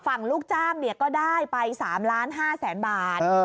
ลูกจ้างก็ได้ไป๓๕๐๐๐๐บาท